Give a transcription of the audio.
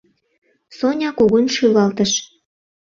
— Соня кугун шӱлалтыш.